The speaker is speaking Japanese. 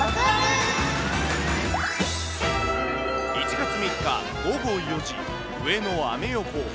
１月３日午後４時、上野アメ横。